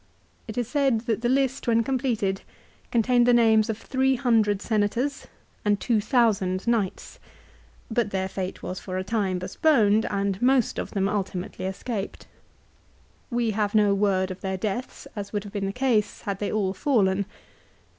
2 It is said that the list when com pleted contained the names of three hundred Senators and two thousand knights ; but their fate was for a time post poned and most of them ultimately escaped. We have no word of their deaths as would have been the case had they all fallen.